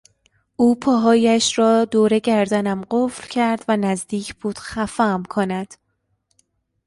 او پاهایش را دور گردنم قفل کرد و نزدیک بود خفهام کند.